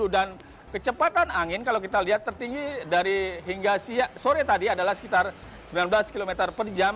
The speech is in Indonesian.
dan kecepatan angin kalau kita lihat tertinggi dari hingga sore tadi adalah sekitar sembilan belas km per jam